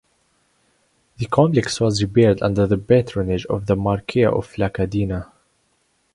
The complex was repaired under the patronage of the Marquis of La Cadena.